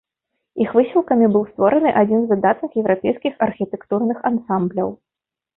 Іх высілкамі быў створаны адзін з выдатных еўрапейскіх архітэктурных ансамбляў.